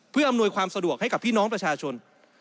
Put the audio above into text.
เพื่ออำนวยความสะดวกให้กับพี่น้องประชาชน